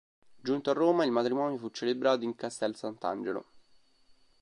Giunto a Roma, il matrimonio fu celebrato in Castel Sant'Angelo.